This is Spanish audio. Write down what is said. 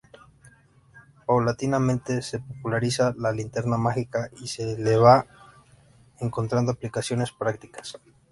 Paulatinamente se populariza la linterna mágica y se le van encontrando aplicaciones prácticas.